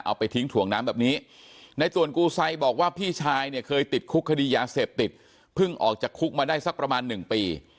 เอาไปทิ้งถ่วงน้ำแบบนี้ในตวนกูไซบอกว่าพี่ชายเนี่ยเคยติดคุกคดียาเสพติดเพิ่งออกจากคุกมาได้สักประมาณ๑ปี